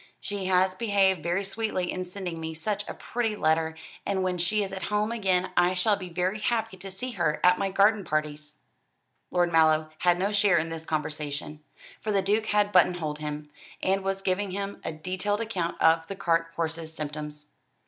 She has behaved very sweetly in sending me such a pretty letter; and when she is at home again I shall be very happy to see her at my garden parties." Lord Mallow had no share in this conversation, for the Duke had buttonholed him, and was giving him a detailed account of the cart horse's symptoms.